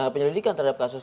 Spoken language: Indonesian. penyelidikan terhadap kasus